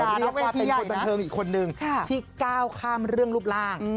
เป็นคนบรรเทิงอีกคนนึงที่ก้าวข้ามเรื่องรูปร่าง